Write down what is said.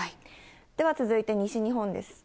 では続いて西日本です。